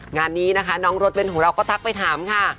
งานนี้นะคะน้องรถเบ้นของเราก็ทักไปถามค่ะ